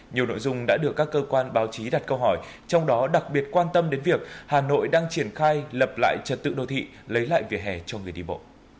nhiều nội dung đã được các cơ quan báo chí đặt câu hỏi trong đó đặc biệt quan tâm đến việc hà nội đang triển khai lập lại trật tự đô thị lấy lại vỉa hè cho người đi bộ